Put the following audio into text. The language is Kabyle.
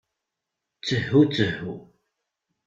Ttehu, ttehu.